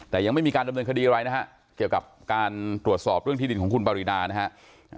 แต่ยังไม่มีการดำเนินคดีอะไรนะฮะเกี่ยวกับการตรวจสอบเรื่องที่ดินของคุณปรินานะฮะ